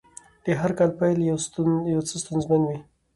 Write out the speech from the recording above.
د هر کار پیل یو څه ستونزمن وي.